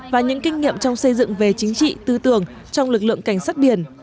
và những kinh nghiệm trong xây dựng về chính trị tư tưởng trong lực lượng cảnh sát biển